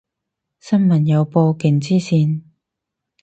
新聞有報，勁黐線